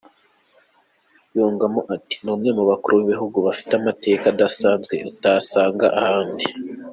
Yungamo ati :"Ni umwe mu bakuru b’igihugu bafite amateka adasanzwe utasanga ahandi.